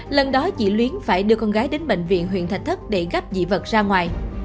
lần đó chị luyến phải đưa con gái đến bệnh viện huyện thạch thất để gắp dị vật ra ngoài